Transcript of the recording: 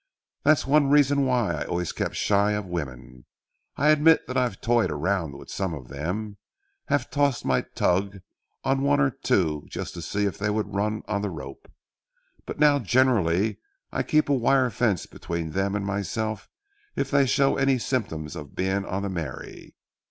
That's one reason why I always kept shy of women. I admit that I've toyed around with some of them; have tossed my tug on one or two just to see if they would run on the rope. But now generally I keep a wire fence between them and myself if they show any symptoms of being on the marry.